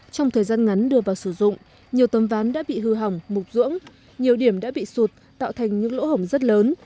trong thời gian ngắn đưa vào sử dụng nhiều tấm ván đã bị hư hỏng mục dưỡng nhiều điểm đã bị sụt tạo thành những lỗ hổng rất lớn